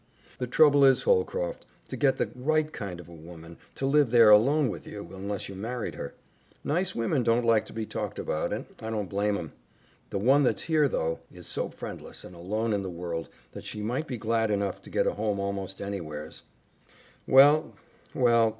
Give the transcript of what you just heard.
The trouble is, Holcroft, to get the right kind of a woman to live there alone with you, unless you married her. Nice women don't like to be talked about, and I don't blame 'em. The one that's here, though, is so friendless and alone in the world that she might be glad enough to get a home almost anywheres." "Well, well!